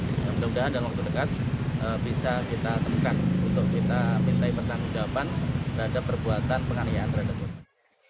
mudah mudahan dalam waktu dekat bisa kita temukan untuk kita minta pertanggung jawaban terhadap perbuatan penganiayaan terhadap korban